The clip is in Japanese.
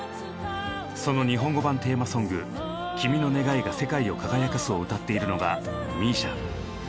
その日本語版テーマソング「君の願いが世界を輝かす」を歌っているのがＭＩＳＩＡ。